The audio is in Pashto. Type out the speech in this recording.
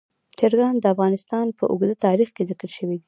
چرګان د افغانستان په اوږده تاریخ کې ذکر شوی دی.